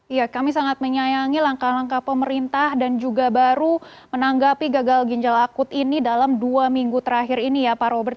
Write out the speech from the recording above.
iya kami sangat menyayangi langkah langkah pemerintah dan juga baru menanggapi gagal ginjal akut ini dalam dua minggu terakhir ini ya pak robert